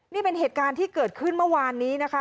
นี่เป็นเหตุการณ์ที่เกิดขึ้นเมื่อวานนี้นะคะ